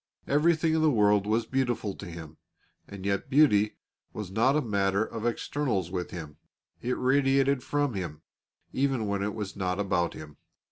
Everything in the world was beautiful to him, and yet beauty was not a matter of externals with him. It radiated from him, even when it was not about him.